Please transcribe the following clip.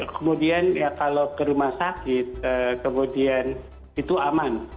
kemudian ya kalau ke rumah sakit kemudian itu aman